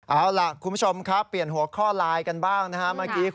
เอาล่ะคุณผู้ชมครับเปลี่ยนหัวข้อไลน์กันบ้างนะครับเมื่อกี้